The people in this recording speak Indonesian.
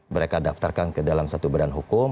mereka daftarkan ke dalam satu badan hukum